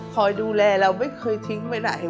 คอยดูแลเราไม่เคยทิ้งไปไหน